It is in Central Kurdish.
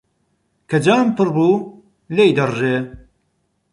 کە جام پڕ بوو، لێی دەڕژێ.